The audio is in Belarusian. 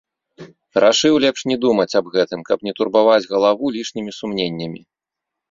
Рашыў лепш не думаць аб гэтым, каб не турбаваць галаву лішнімі сумненнямі.